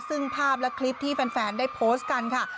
ซึ่งภาพและคลิปที่แฟนได้โพสต์กันค่ะ